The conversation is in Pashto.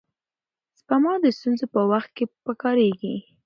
سپما د ستونزو په وخت کې پکارېږي.